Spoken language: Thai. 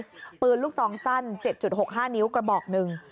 มีปืนลูกซองสั้น๗๖๕นิ้วกระบอกหนึ่ง